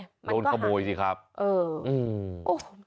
มันก็หักโดนขโมยสิครับอืมโอ้โฮ